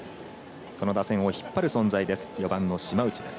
その打線を引っ張る存在です。